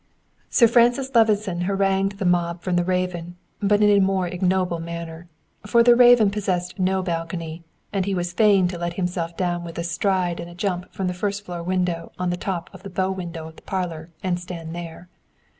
Sir Francis Levison harangued the mob from the Raven, but in a more ignoble manner. For the Raven possessed no balcony, and he was fain to let himself down with a stride and a jump from the first floor window on the top of the bow window of the parlor, and stand there.